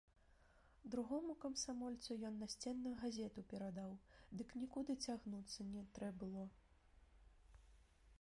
Другому камсамольцу ён насценную газету перадаў, дык нікуды цягнуцца не трэ было.